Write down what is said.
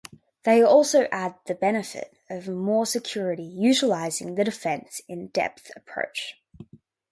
They also add the benefit of more security utilizing the defense in depth approach.